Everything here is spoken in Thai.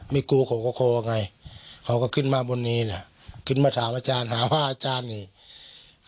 ไม่กูโคไงนายเขาก็ขึ้นมาบนนี้แล้วขึ้นมาถามอาจารย์ฮ่าว่าอาจารย์ใคร